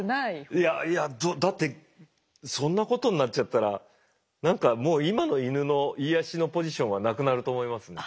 いやいやだってそんなことになっちゃったら何かもう今のイヌの癒やしのポジションはなくなると思いますね。